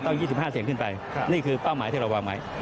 ๒๕เสียงขึ้นไปนี่คือเป้าหมายที่เราวางไว้